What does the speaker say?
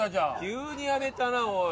急にやめたなおい。